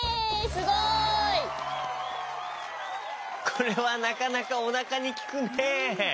これはなかなかおなかにきくね！